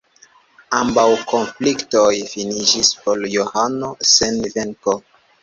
Ambaŭ konfliktoj finiĝis por Johano sen venko.